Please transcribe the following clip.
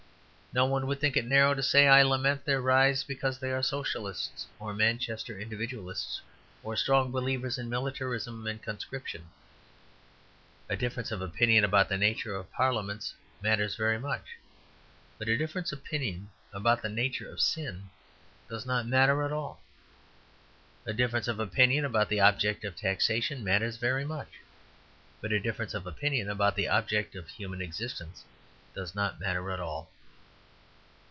No one would think it narrow to say, "I lament their rise because they are Socialists, or Manchester Individualists, or strong believers in militarism and conscription." A difference of opinion about the nature of Parliaments matters very much; but a difference of opinion about the nature of sin does not matter at all. A difference of opinion about the object of taxation matters very much; but a difference of opinion about the object of human existence does not matter at all.